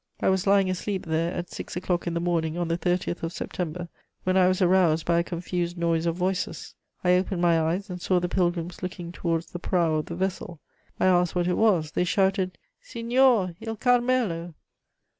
I was lying asleep there at six o'clock in the morning on the 30th of September, when I was aroused by a confused noise of voices: I opened my eyes, and saw the pilgrims looking towards the prow of the vessel. I asked what it was; they shouted '_Signor, il Carmelo!